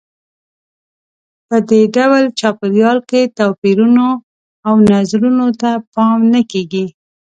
په دې ډول چاپېریال کې توپیرونو او نظرونو ته پام نه کیږي.